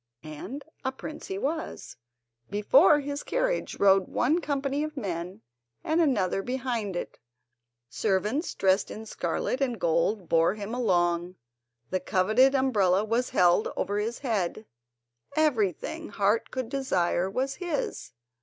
And a prince he was. Before his carriage rode one company of men and another behind it; servants dressed in scarlet and gold bore him along, the coveted umbrella was held over his head, everything heart could desire was his.